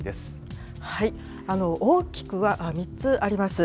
大きくは３つあります。